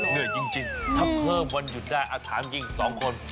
เหนื่อยจริงถ้าเพิ่มวันหยุดได้ถามจริง๒คน